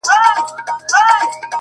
په مړاوو گوتو كي قوت ډېر سي!